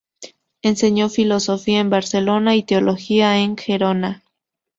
Enseñó filosofía en Barcelona y teología en Gerona.